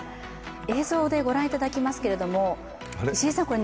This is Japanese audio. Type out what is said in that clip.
映像でご覧いただきますけれども、石井さん、これ、